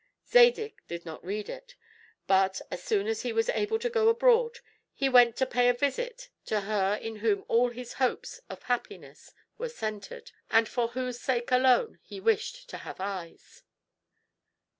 Zadig did not read it; but, as soon as he was able to go abroad, he went to pay a visit to her in whom all his hopes of happiness were centered, and for whose sake alone he wished to have eyes.